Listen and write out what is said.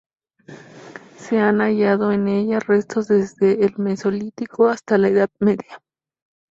Se han hallado en ella restos desde el mesolítico hasta la Edad Media.